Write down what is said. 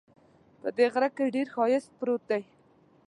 په دې غره کې ډېر ښایست پروت ده